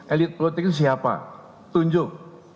elit politik itu siapa tunjuk